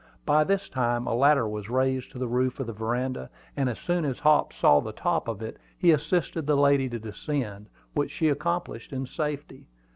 By this time a ladder was raised to the roof of the veranda, and as soon as Hop saw the top of it, he assisted the lady to descend, which she accomplished in safety.